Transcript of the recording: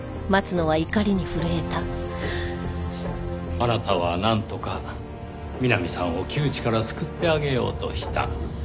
あなたはなんとかみなみさんを窮地から救ってあげようとした。